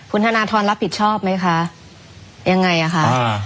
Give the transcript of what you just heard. คุณธนาธอร์ตรับผิดชอบไหมคะยังไงอ่ะคะ